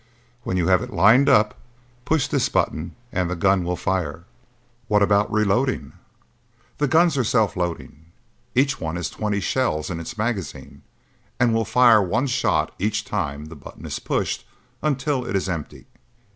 When you have it lined up, push this button and the gun will fire." "What about reloading?" "The guns are self loading. Each one has twenty shells in its magazine and will fire one shot each time the button is pushed until it is empty.